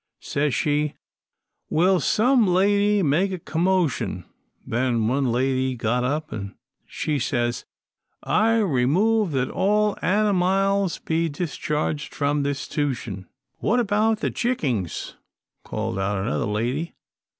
Says she, 'Will some lady make a commotion?' Then one lady got up, an' she says, 'I remove that all animiles be decharged from this 'stution.' "'What about the chickings?' called out another lady.